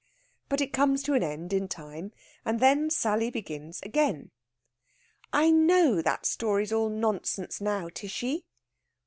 But it comes to an end in time, and then Sally begins again: "I know that story's all nonsense now, Tishy."